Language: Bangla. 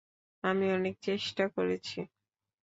আমি অনেক চেষ্টা করেছি।